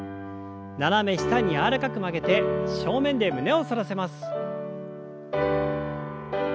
斜め下に柔らかく曲げて正面で胸を反らせます。